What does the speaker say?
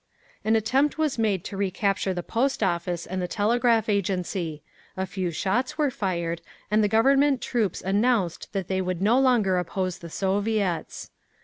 An attempt was made to recapture the Post Office and the Telegraph Agency; a few shots were fired, and the Government troops announced that they would no longer oppose the Soviets.